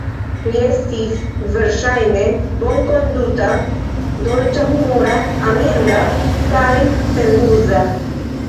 Li estis verŝajne bonkonduta, dolĉahumora, aminda kaj senruza.